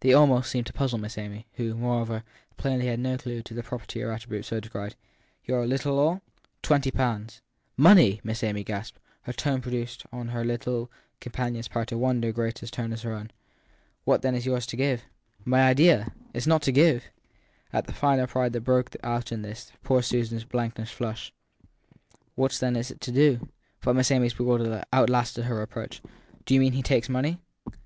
The almost seemed to puzzle Miss Amy, who, moreover, had plainly no clue to the property or attribute so described. < Your " little all "? Twenty pounds. * Money ? Miss Amy gasped. Her tone produced on her companion s part a wonder as great as her own. i What then is it yours to give ? My idea ? It s not to give I cried Amy Frush. At the finer pride that broke out in this poor Susan s blank ness flushed. < What then is it to do ? But Miss Amy s bewilderment outlasted her reproach. Do you mean he takes money